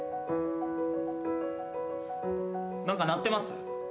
何か鳴ってます。